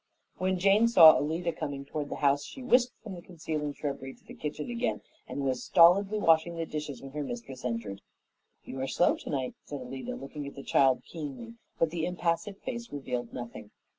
When Jane saw Alida coming toward the house she whisked from the concealing shrubbery to the kitchen again and was stolidly washing the dishes when her mistress entered. "You are slow tonight," said Alida, looking at the child keenly, but the impassive face revealed nothing.